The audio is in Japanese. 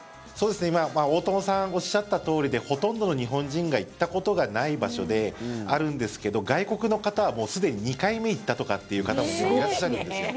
今、大友さんがおっしゃったとおりでほとんどの日本人が行ったことがない場所であるんですけど外国の方はすでに２回目行ったとかっていう方もいらっしゃるんですよ。